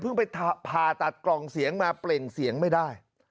ไปผ่าตัดกล่องเสียงมาเปล่งเสียงไม่ได้